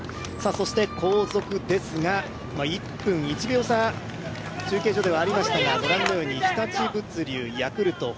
そして、後続ですが１分１秒差、中継所ではありましたが、日立物流、ヤクルト、Ｈｏｎｄａ。